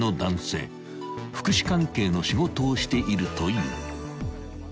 ［福祉関係の仕事をしているという］